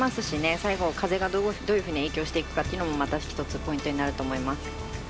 最後、風がどういうふうに影響してくるかというのもまた一つポイントになると思います。